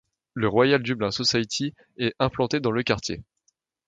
La Royal Dublin Society est implantée dans le quartier.